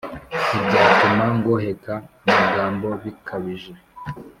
Ntibyatuma ngoheka amagambo bikabije